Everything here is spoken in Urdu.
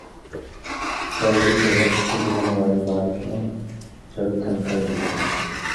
سحری کے وقت شروع ہونے والی بارشوں جل تھل کر دیا